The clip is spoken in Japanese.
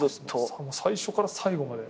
最初から最後まで。